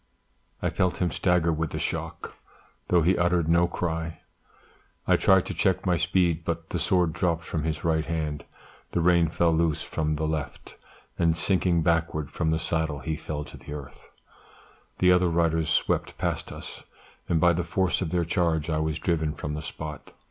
I felt him stagger with the shock, though he uttered no cry; I tried to check my speed, but the sword dropped from his right hand, the rein fell loose from the left, and sinking backward from the saddle he fell to the earth; the other riders swept past us, and by the force of their charge I was driven from the spot.